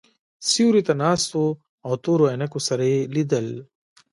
سیوري ته ناست وو او تورو عینکو سره یې لیدل.